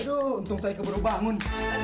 aduh untung saya keburu bangun